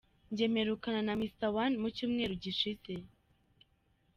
Njye mperukana na Mr One mu cyumweru gishize.